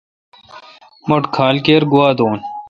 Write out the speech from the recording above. مٹھ کھال کیر گوا دو۔